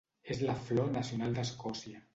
És la flor nacional d'Escòcia.